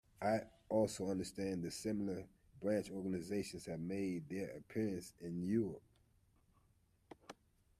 I also understand that similar branch organizations have made their appearance in Europe.